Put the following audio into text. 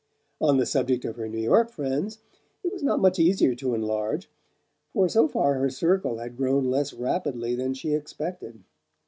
On the subject of her New York friends it was not much easier to enlarge; for so far her circle had grown less rapidly than she expected.